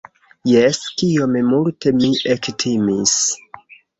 Jes, kiom multe mi ektimis!